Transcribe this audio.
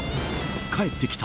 帰ってきた！